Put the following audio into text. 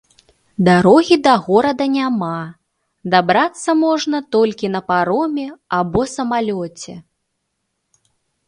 Дарогі да горада няма, дабрацца можна толькі на пароме або самалёце.